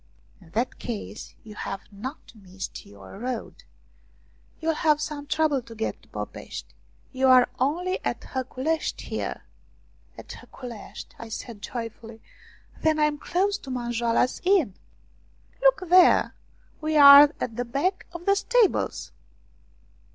" In that case you have not missed your road. You'll have some trouble to get to Popeshti you are only at Haculeshti here." "At Haculeshti ?" I said joyfully. " Then I am close to Manjoala's Inn." " Look there ; we are at the back of the stables."